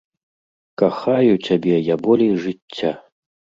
Кахаю цябе я болей жыцця!